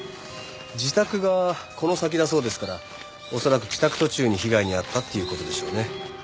自宅がこの先だそうですから恐らく帰宅途中に被害に遭ったっていう事でしょうね。